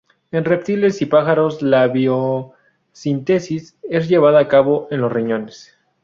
En reptiles y pájaros la biosíntesis es llevada a cabo en los riñones.